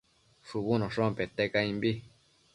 shubunoshon pete caimbi